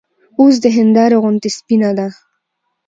اوس د هېندارې غوندې سپينه ده